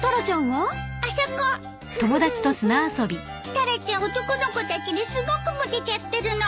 タラちゃん男の子たちにすごくモテちゃってるの。